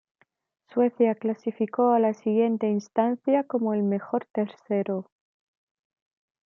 Suecia clasificó a la siguiente instancia como el mejor tercero.